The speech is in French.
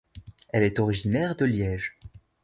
Elle est originaire de Liège.